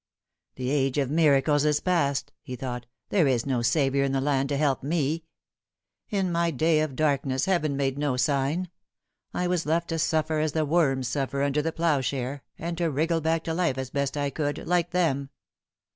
" The age of miracles is past," he thought :" there is no Saviour in the land to help me ! In my day of darkness Heaven made no sign. I was left to suffer as the worms suffer under the ploughshare, and to wriggle back to life as best I could, like them."